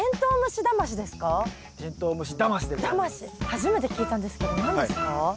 初めて聞いたんですけど何ですか？